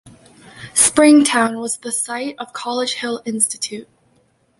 Springtown was the site of College Hill Institute.